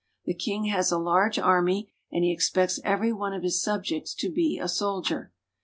* The king has a large army, and he expects every one of his subjects to be a soldier.